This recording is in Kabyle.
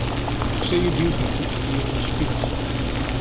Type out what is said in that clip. Tusa-iyi-d yiwet n tikti amacki-tt.